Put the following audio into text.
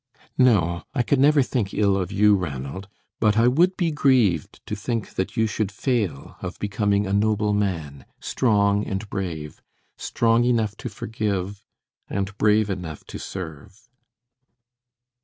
"No, I could never think ill of you, Ranald, but I would be grieved to think that you should fail of becoming a noble man, strong and brave; strong enough to forgive and brave enough to serve."